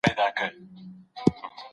تاسو به کله خپل مونوګراف پای ته ورسوئ؟